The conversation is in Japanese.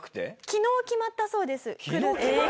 昨日決まったそうです来るって。